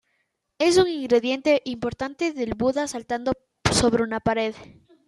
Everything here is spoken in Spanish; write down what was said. Es un ingrediente importante del Buda saltando sobre una pared.